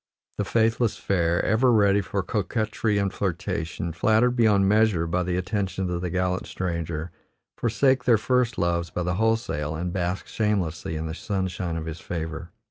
The faithless fair, ever ready for coquetry and flirtation, flattered beyond measure by the attentions of the gallant stranger, forsake their first loves by the wholesale, and bask shamelessly in the sunshine of his favor.